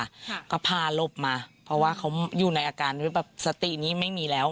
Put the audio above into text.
ค่ะก็พาหลบมาเพราะว่าเขาอยู่ในอาการด้วยแบบสตินี้ไม่มีแล้ว